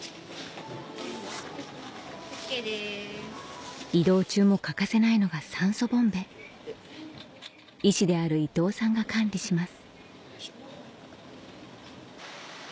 ・ＯＫです・移動中も欠かせないのが酸素ボンベ医師である伊藤さんが管理します